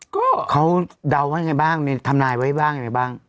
ก็เขาเดาว่ายังไงบ้างมีทำนายไว้บ้างยังไงบ้าง